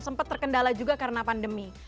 sempat terkendala juga karena pandemi